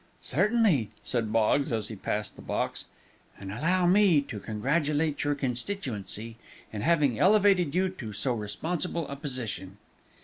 "Certainly," said Boggs, as he passed the box, "and allow me to congratulate your constituency in having elevated you to so responsible a position."